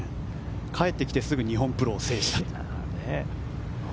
帰ってきてすぐ日本オープンを制しました。